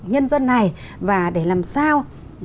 nhân dân này và để làm sao